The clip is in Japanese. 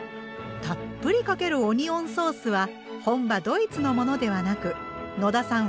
たっぷりかけるオニオンソースは本場ドイツのものではなく野田さん